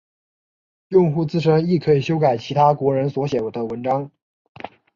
用户自身亦可以修改其他国人所写的文章。